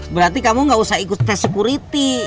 berarti kamu gak usah ikut test security